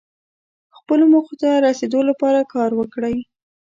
خپلو موخو ته رسیدو لپاره کار وکړئ.